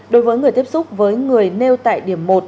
đối với người tiếp xúc với người nêu tại điểm một